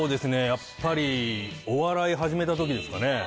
やっぱりお笑い始めた時ですかね